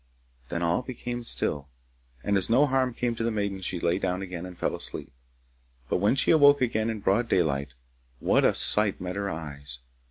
Then all became still, and as no harm came to the maiden she lay down again and fell asleep. But when she awoke again in broad daylight, what a sight met her eyes!